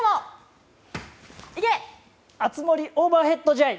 オーバーヘッドＪ！